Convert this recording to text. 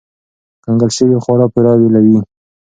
کنګل شوي خواړه پوره ویلوئ.